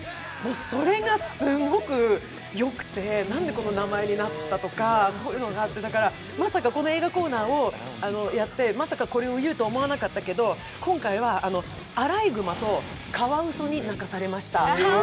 それがすごくよくて、なんでこの名前になったとか、まさかこの映画コーナーをやって、まさかこれを言うとは思わなかったけど、アライグマとカワウソに泣かされました。